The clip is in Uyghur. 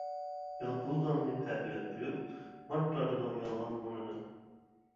يالپۇزلارنى پەپىلەپ قويۇپ، مارت تارتىدۇ يالغان بۇرنىنى.